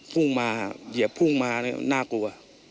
พุ่งมาเหยียบพุ่งมาน่ากลัว